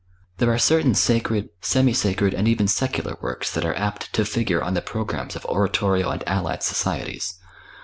There are certain sacred, semi sacred and even secular works that are apt to figure on the programs of oratorio and allied societies.